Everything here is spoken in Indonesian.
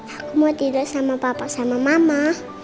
aku mau tidur sama papa sama mama